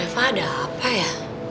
reva ada apa ya